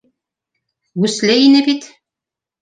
Үсле ине бит